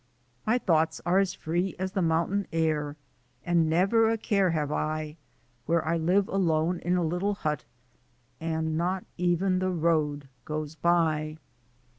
My thoughts are as free as the mountain air, And never a care have I: Where I live alone in a little hut And not even the road goes by!